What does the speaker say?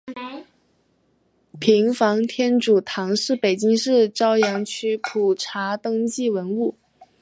平房天主堂是北京市朝阳区普查登记文物。